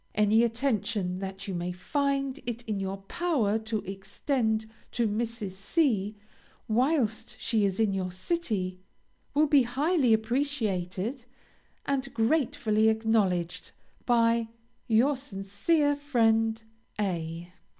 Any attention that you may find it in your power to extend to Mrs. C. whilst she is in your city, will be highly appreciated, and gratefully acknowledged, by Your sincere friend A